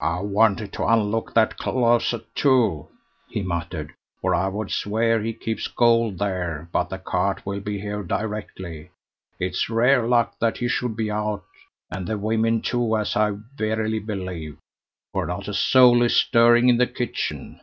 "I wanted to unlock that closet too," he muttered, "for I would swear he keeps gold there, but the cart will be here directly. It's rare luck that he should be out, and the women too as I verily believe, for not a soul is stirring in the kitchen.